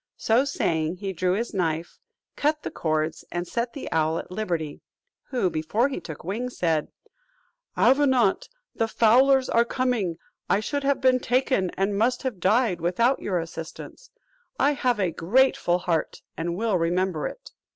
So saying, he drew his knife, cut the cords, and set the owl at liberty; who, before he took wing, said, "Avenant, the fowlers are coming, I should have been taken, and must have died, without your assistance: I have a grateful heart, and will remember it."